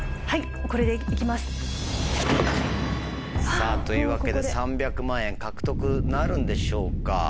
さぁというわけで３００万円獲得なるんでしょうか？